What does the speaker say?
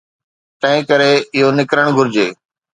تنهنڪري اهو نڪرڻ گهرجي.